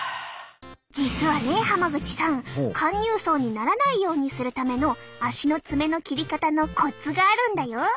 実はね濱口さん陥入爪にならないようにするための足の爪の切り方のコツがあるんだよ。